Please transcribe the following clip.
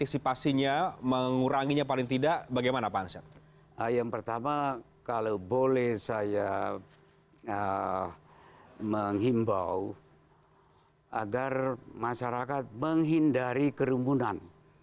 saya kalau boleh saya menghimbau agar masyarakat menghindari kerumunan